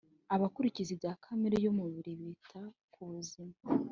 abakurikiza ibya kamere y umubiri bita kubuzima